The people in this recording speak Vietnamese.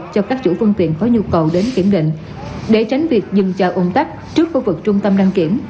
cho các chủ phương tiện có nhu cầu đến kiểm định để tránh việc dừng chờ ủng tắc trước khu vực trung tâm đăng kiểm